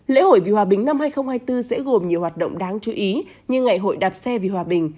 lễ hội vì hòa bình năm hai nghìn hai mươi bốn sẽ gồm nhiều hoạt động đáng chú ý như ngày hội đạp xe vì hòa bình